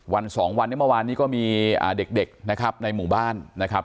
สองวันนี้เมื่อวานนี้ก็มีเด็กนะครับในหมู่บ้านนะครับ